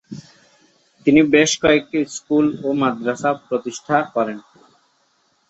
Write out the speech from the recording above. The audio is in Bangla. তিনি বেশ কয়েকটি স্কুল ও মাদ্রাসা প্রতিষ্ঠা করেন।